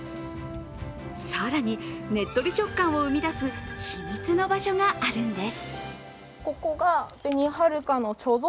更に、ねっとり食感を生み出す秘密の場所があるんです。